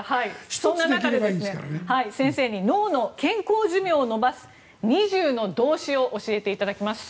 そんな中で、先生に脳の健康寿命を延ばす２０の動詞を教えていただきます。